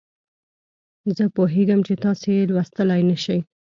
زه پوهیږم چې تاسې یې لوستلای نه شئ.